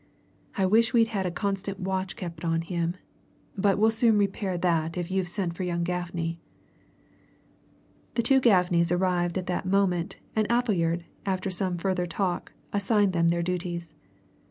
I wish we'd had a constant watch kept on him. But we'll soon repair that if you've sent for young Gaffney." The two Gaffneys arrived at that moment and Appleyard, after some further talk, assigned them their duties.